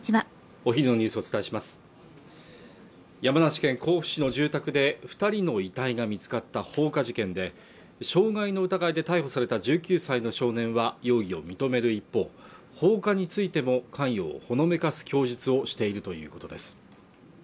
お伝えします山梨県甲府市の住宅で二人の遺体が見つかった放火事件で傷害の疑いで逮捕された１９歳の少年は容疑を認める一方放火についても関与をほのめかす供述をしているということです